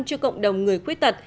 cho cộng đồng người khuyết tật